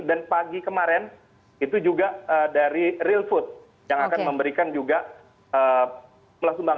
dan pagi kemarin itu juga dari real food yang akan memberikan juga pelas umbangan